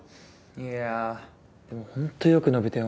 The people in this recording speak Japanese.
いやでもほんとよく伸びたよ